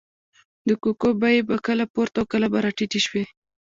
د کوکو بیې به کله پورته او کله به راټیټې شوې.